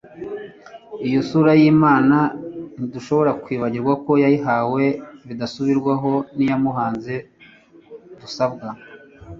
iyo sura y'imana ntidushobora kwibagirwa ko yayihawe bidasubirwaho n'iyamuhanze. dusabwa